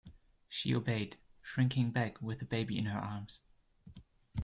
She obeyed, shrinking back with the baby in her arms.